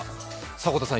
迫田さん。